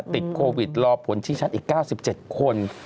ติดโควิดรอผลชี้ชัดอีก๙๗คน